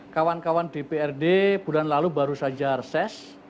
kawan kawan di prd bulan lalu baru saja reses